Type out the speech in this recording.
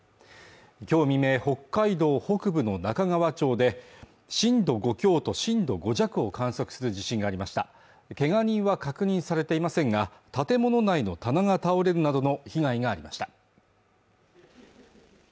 今日未明北海道北部の中川町で震度５強と震度５弱を観測する地震がありましたけが人は確認されていませんが建物内の棚が倒れるなどの被害がありました